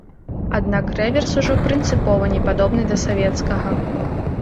Аднак рэверс ужо прынцыпова не падобны да савецкага.